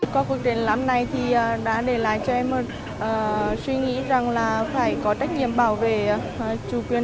qua cuộc triển lãm này thì đã để lại cho em suy nghĩ rằng là phải có trách nhiệm bảo vệ chủ quyền